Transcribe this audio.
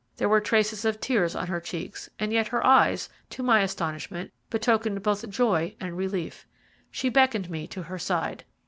There were traces of tears on her cheeks, and yet her eyes, to my astonishment, betokened both joy and relief. She beckoned me to her side.